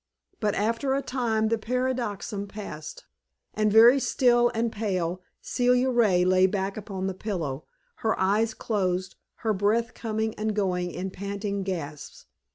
But after a time the paroxysm passed, and very still and pale, Celia Ray lay back upon the pillow, her eyes closed, her breath coming and going in panting gasps.